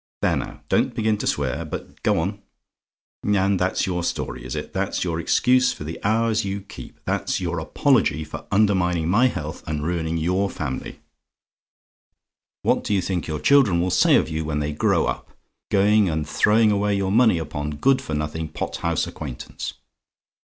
"There, now don't begin to swear but go on "" And that's your story, is it? That's your excuse for the hours you keep! That's your apology for undermining my health and ruining your family! What do you think your children will say of you when they grow up going and throwing away your money upon good for nothing pot house acquaintance?